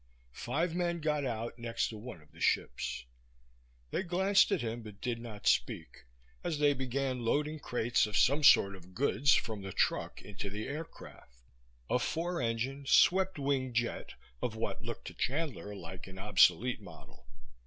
Five men got out next to one of the ships. They glanced at him but did not speak as they began loading crates of some sort of goods from the truck into the aircraft, a four engine, swept wing jet of what looked to Chandler like an obsolete model.